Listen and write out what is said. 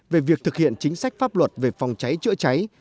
về việc thực hiện chính sách pháp luật về phòng cháy chữa cháy